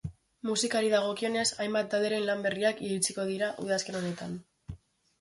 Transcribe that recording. Musikari dagokionez, hainbat talderen lan berriak iritsiko dira udazken honetan.